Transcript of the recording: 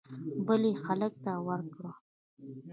بل یې هلک ته ورکړ